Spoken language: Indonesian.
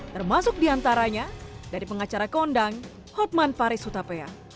termasuk diantaranya dari pengacara kondang hotman paris hutapea